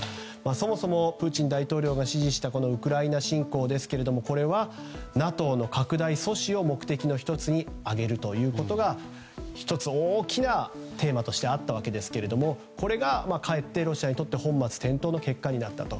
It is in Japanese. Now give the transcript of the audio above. そもそもプーチン大統領が指示したウクライナ侵攻ですがこれはＮＡＴＯの拡大阻止を目的の１つに挙げるということが１つ、大きなテーマとしてあったわけですがこれがかえってロシアにとって本末転倒な結果になったと。